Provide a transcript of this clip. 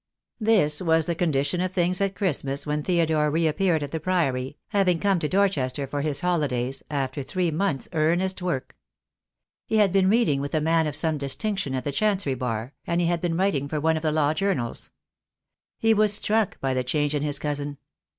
This was the condition of things at Christmas when Theodore reappeared at the Priory, having come to Dor chester for his holidays, after three months' earnest work. He had been reading with a man of some distinction at the Chancery Bar, and he had been writing for one of the Law Journals. He was struck by the change in his cousin.